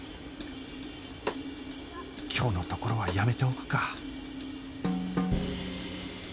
今日のところはやめておくか